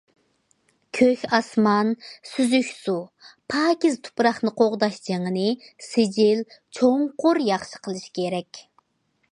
كۆك ئاسمان، سۈزۈك سۇ، پاكىز تۇپراقنى قوغداش جېڭىنى سىجىل، چوڭقۇر ياخشى قىلىش كېرەك.